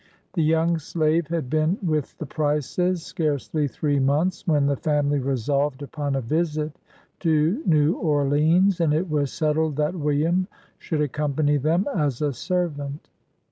The young slave had been with the Prices scarcely three months, when the family resolved upon a visit to New Orleans, and it was settled that William should accompany them, as a servant.